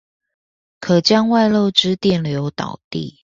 可將外漏之電流導地